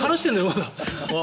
まだ。